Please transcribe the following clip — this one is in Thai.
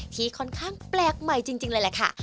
ที่ค่อนข้างแปลกใหม่จริงเลยแหละค่ะ